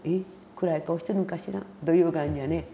暗い顔してるんかしら」という感じやね。